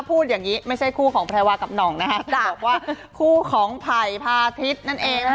พูดอย่างนี้ไม่ใช่คู่ของแพรวากับหน่องนะคะจะบอกว่าคู่ของไผ่พาทิศนั่นเองนะคะ